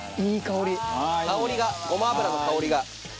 香りがごま油の香りが。